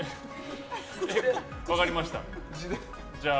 分かりました。